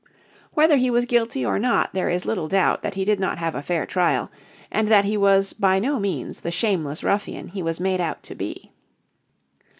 Whether he was guilty or not there is little doubt that he did not have a fair trial, and that he was by no means the shameless ruffian he was made out to be.